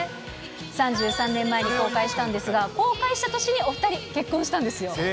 ３３年前に公開したんですが、公開した年にお２人、結婚したんですよ。